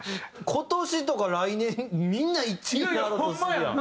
今年とか来年みんな１位になろうとするやん